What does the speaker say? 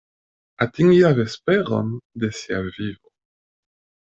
Atingi la vesperon de sia vivo.